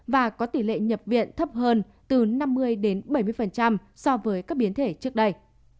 và có tỷ lệ nhập viện thấp hơn từ năm mươi đến bảy mươi so với các biến thể trước đây